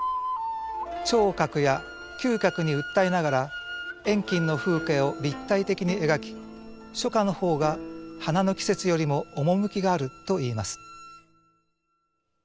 聴覚や嗅覚に訴えながら遠近の風景を立体的に描き初夏の方が花の季節よりも趣があるといいます。